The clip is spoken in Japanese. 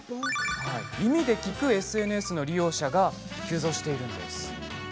耳で聞くＳＮＳの利用者が急増しているんです。